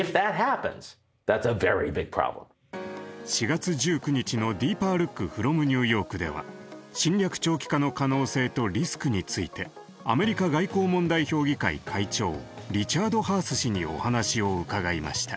４月１９日の「ＤＥＥＰＥＲＬＯＯＫｆｒｏｍＮｅｗＹｏｒｋ」では侵略長期化の可能性とリスクについてアメリカ外交問題協議会会長リチャード・ハース氏にお話を伺いました。